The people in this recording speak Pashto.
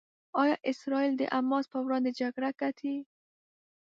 ایا اسرائیل د حماس پر وړاندې جګړه ګټي؟